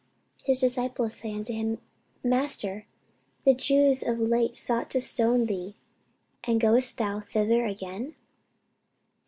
His disciples say unto him, Master, the Jews of late sought to stone thee; and goest thou thither again?